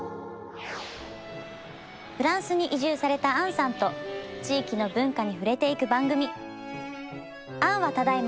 フランスに移住された杏さんと地域の文化に触れていく番組「杏はただいま